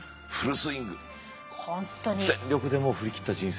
全力で振り切った人生！